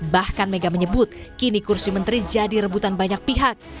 bahkan mega menyebut kini kursi menteri jadi rebutan banyak pihak